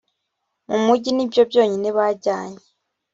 mu mugi ni byo byonyine bajyanye